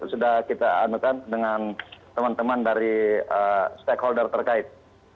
sudah kita anukan dengan teman teman dari stakeholder terkait